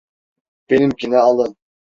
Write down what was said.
Benimkini alın.